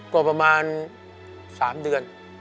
ก็ประมาณ๓เดือน